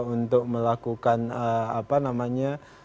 untuk melakukan apa namanya